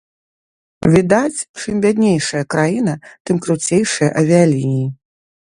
Відаць, чым бяднейшая краіна тым круцейшыя авіялініі.